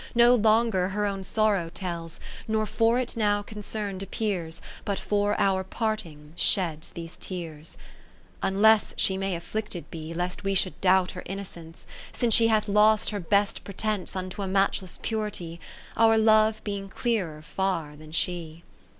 No longer her own sorrow tells. Nor for it now concern'd appears. But for our parting sheds these tears. lo ni Unless she may afflicted be, Lest we should doubt her inno cence ; Since she hath lost her best pre tence Unto a matchless purity ; Our love being clearer far than she.